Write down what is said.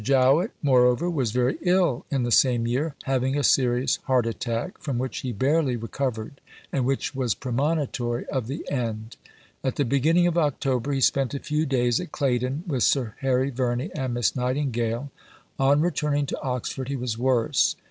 Jowett, moreover, was very ill in the same year having a serious heart attack, from which he barely recovered and which was premonitory of the end. At the beginning of October he spent a few days at Claydon with Sir Harry Verney and Miss Nightingale. On returning to Oxford he was worse.